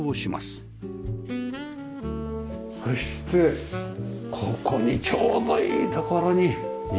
そしてここにちょうどいいところに庭。